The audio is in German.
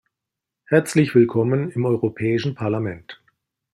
Herzlich willkommen im Europäischen Parlament!